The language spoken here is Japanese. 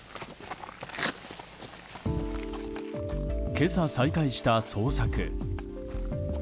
今朝再開した捜索。